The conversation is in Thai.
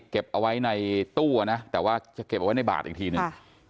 เก็บเอาไว้ในตู้นะแต่ว่าจะเก็บเอาไว้ในบาทอีกทีหนึ่ง